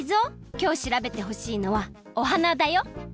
きょう調べてほしいのはお花だよ！